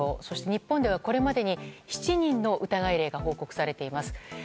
日本ではこれまでに７人の疑い例が報告されています。